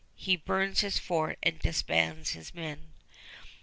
He burns his fort and disbands his men.